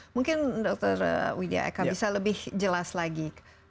mungkin dokter widya eka bisa lebih jelas lagi